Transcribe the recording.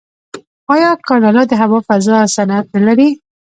آیا کاناډا د هوا فضا صنعت نلري؟